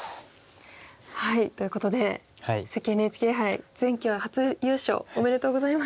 ということで関ＮＨＫ杯前期は初優勝おめでとうございます。